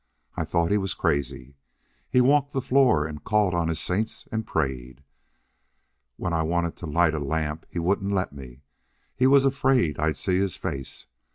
I thought he was crazy. He walked the floor and called on his saints and prayed. When I wanted to light a lamp he wouldn't let me. He was afraid I'd see his face.